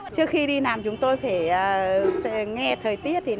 trước khi đi làm chúng tôi phải nghe thời tiết